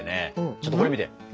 ちょっとこれ見て。